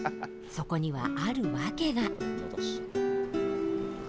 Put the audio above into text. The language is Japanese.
そこにはある訳が。